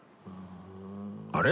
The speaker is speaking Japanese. あれ？